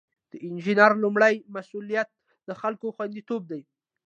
د انجینر لومړی مسؤلیت د خلکو خوندیتوب دی.